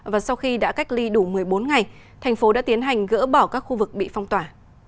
và sau khi đã cách ly đủ một mươi bốn ngày thành phố đã tiến hành gỡ bỏ các khu vực bị phong tỏa